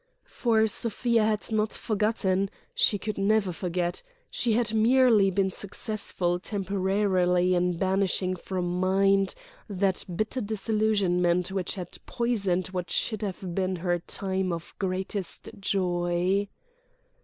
For Sofia had not forgotten, she could never forget, she had merely been successful temporarily in banishing from mind that bitter disillusionment which had poisoned what should have been her time of greatest joy.